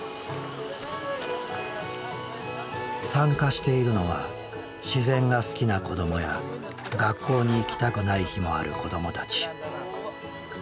参加しているのは自然が好きな子どもや学校に行きたくない日もある子どもたち。